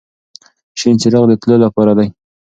شین څراغ د تلو لپاره دی.